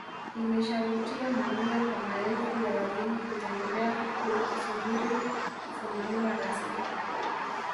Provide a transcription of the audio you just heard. Imeshavutia mamia kwa maelfu ya wageni kuitembelea huku ikisubiri kufunguliwa rasmi